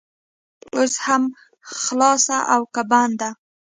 اوس هم خلاصه او که بنده؟